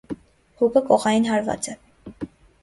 Հուկը կողային հարված է։